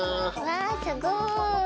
わあすごい！